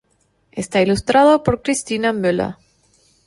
Está ilustrado por Cristina Müller.